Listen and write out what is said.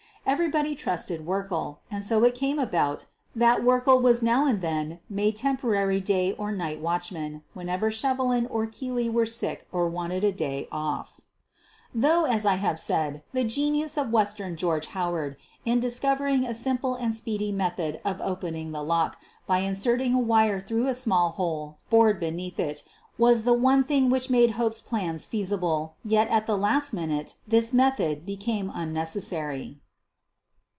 Everybody trusted Werkle, and so it had come about that Werkle was now and then made temporary day or night watchman, whenever Shevelin or Keely were sick or wanted a day ©ff. QUEEN OF THE BURGLARS 159 Though, as I have said, the genius of "Western George' ' Howard in discovering a simple and speedy method of opening the lock by inserting a wire through a small hole bored beneath it was the one thing which made Hope's plans feasible, yet, at the last minute, this method became unnecessary.